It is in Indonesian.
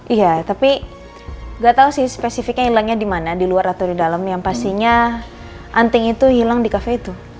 iya tapi gak tau sih spesifiknya hilangnya dimana di luar atau di dalam yang pastinya anting itu hilang di cafe itu